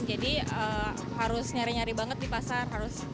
jadi harus nyari nyari banget di pasar